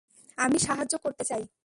আমি সাহায্য করতে চাই।